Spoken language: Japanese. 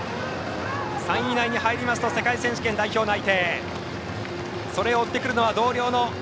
３位以内に入りますと世界選手権代表内定。